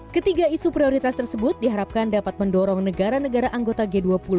ketiga isu prioritas tersebut diharapkan dapat mendorong negara negara anggota g dua puluh